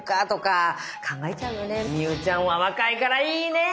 望結ちゃんは若いからいいね。